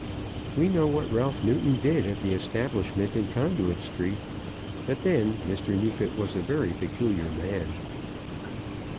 We know what Ralph Newton did at the establishment in Conduit Street. But then Mr. Neefit was a very peculiar man.